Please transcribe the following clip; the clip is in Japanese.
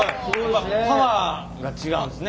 パワーが違うんですね